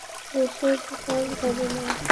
বিষয়টি সহজভাবে নাও।